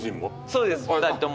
そうです、２人とも。